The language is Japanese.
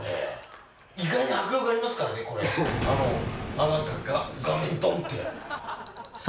あなた画面ドン！って。